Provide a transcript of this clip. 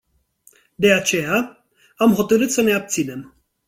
De aceea, am hotărât să ne abținem.